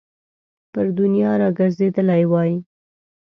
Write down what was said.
پر دنیا را ګرځېدلی وای.